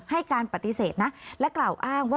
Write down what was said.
ให้การปฏิเสธนะและกล่าวอ้างว่า